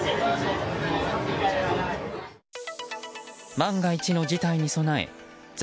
万が一の事態に備え在